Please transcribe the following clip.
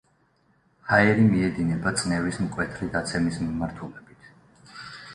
ჰაერი მიედინება წნევის მკვეთრი დაცემის მიმართულებით.